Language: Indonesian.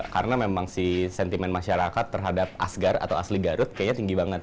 karena memang si sentimen masyarakat terhadap asgar atau asli garut kayaknya tinggi banget